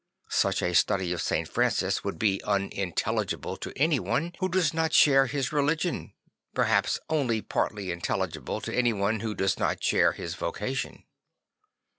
Such a study of St. Francis would be unintelligible to anyone who does not share his religion, perhaps only partly intelligible to anyone who does not share his vocation.